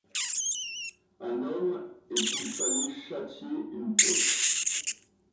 Un homme, et qu'il fallait châtier une tête ;